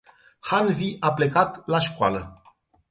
Hanvi a plecat la scoala.